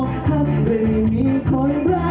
หยุดมีท่าหยุดมีท่า